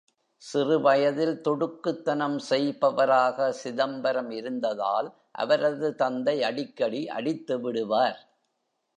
சிறுவயதில் துடுக்குத்தனம் செய்பவராக சிதம்பரம் இருந்ததால், அவரது தந்தை அடிக்கடி அடித்து விடுவார்.